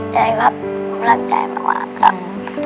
ได้ครับขอบรักใจมากครับ